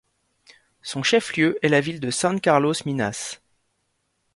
Son chef-lieu est la ville de San Carlos Minas.